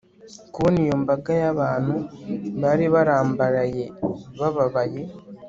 kubona iyo mbaga y'abantu bari barambaraye bababaye